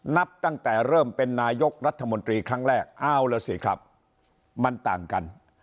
นับตั้งแต่เริ่มเป็นนายกรัฐมนตรีครั้งแรกเอาล่ะสิครับมันต่างกัน